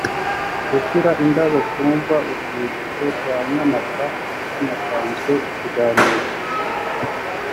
gushyira indabo kumva urwibutsorwanyamata hanatanzwe ikiganiro